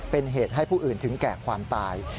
เป็นเหตุให้ผู้อื่นถึงแก่ความตาย